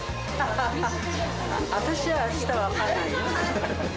私はあしたは分からないよ。